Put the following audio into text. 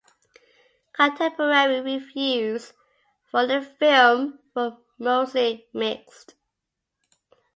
Contemporary reviews for the film were mostly mixed.